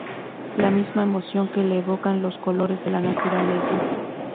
La misma emoción que le evocan los colores de la naturaleza.